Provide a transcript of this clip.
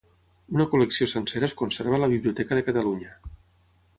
Una col·lecció sencera es conserva a la Biblioteca de Catalunya.